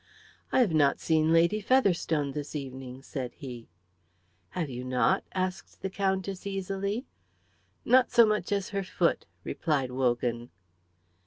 "I have not seen Lady Featherstone this evening," said he. "Have you not?" asked the Countess, easily. "Not so much as her foot," replied Wogan.